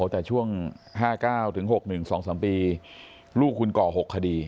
แต่ช่วง๕๙ถึง๖๑๒๓ปีลูกคุณก่อ๖คดี